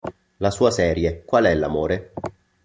La sua serie "Qual è l'Amore?